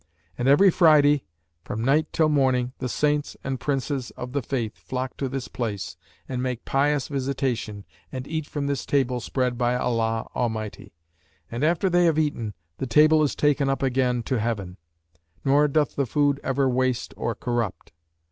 And every Friday from night till morning the Saints and Princes[FN#569] of the Faith flock to this place and make pious visitation and eat from this table spread by Allah Almighty; and after they have eaten, the table is taken up again to Heaven: nor doth the food ever waste or corrupt.'